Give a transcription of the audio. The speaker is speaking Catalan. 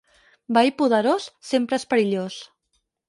Veí poderós, sempre és perillós.